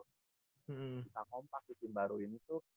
kita kompak di tim baru ini tuh